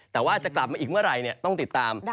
แต่ว่าจะกลับมาอีกเมื่อไหร่ต้องติดตาม